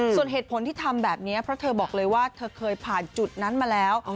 ส่วนเหตุผลที่ทำแบบนี้เพราะเธอบอกเลยว่าเธอเคยผ่านจุดนั้นมาแล้ว